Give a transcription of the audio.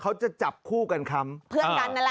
เขาจะจับคู่กันค้ำเพื่อนกันนั่นแหละ